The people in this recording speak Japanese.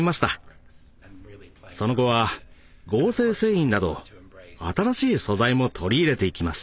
その後は合成繊維など新しい素材も取り入れていきます。